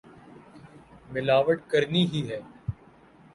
ملاوٹ کرنی ہی ہے۔